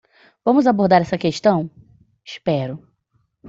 Vamos abordar esta questão?, espero.